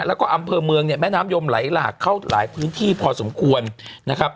แล้วก็อำเภอเมืองเนี่ยแม่น้ำยมไหลหลากเข้าหลายพื้นที่พอสมควรนะครับ